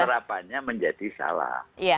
penerapannya menjadi salah